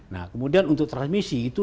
nah kemudian untuk transmisi itu